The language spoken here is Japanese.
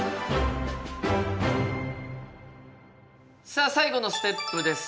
さあ最後のステップです。